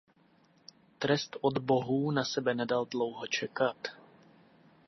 Trest od bohů na sebe nedal dlouho čekat.